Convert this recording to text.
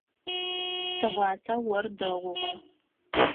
Тыгъуасэ ор дэгъугъэ.